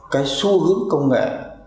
cái xu hướng công nghệ